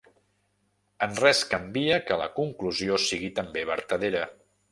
En res canvia que la conclusió sigui també vertadera.